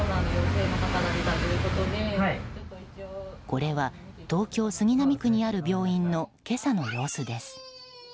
これは東京・杉並区にある病院の今朝の様子です。